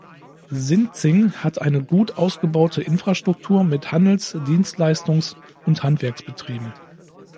Sinzing hat eine gut ausgebaute Infrastruktur mit Handels-, Dienstleistungs- und Handwerksbetrieben.